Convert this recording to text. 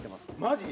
マジ？